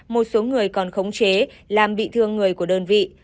một số người còn khống chế làm bị thương người của đơn vị